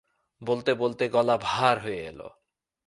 বলতে বলতে গলা ভার হয়ে এল।